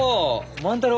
万太郎！